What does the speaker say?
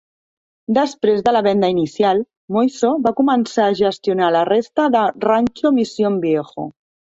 Després de la venda inicial, Moiso va començar a gestionar la resta de Rancho Mission Viejo.